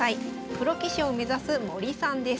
プロ棋士を目指す森さんです。